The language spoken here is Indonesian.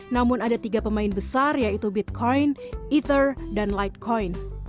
namun ada tiga pemain besar yaitu bitcoin ether dan light coin